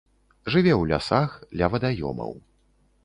Жыве ў лясах, ля вадаёмаў.